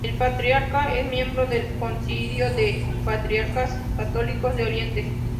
El patriarca es miembro del Concilio de patriarcas católicos de Oriente.